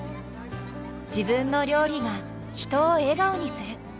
自分の料理が人を笑顔にする。